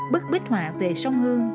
bức bích họa về sông hương dài ba trăm linh m